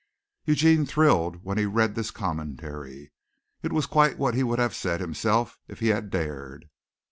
Eugene thrilled when he read this commentary. It was quite what he would have said himself if he had dared.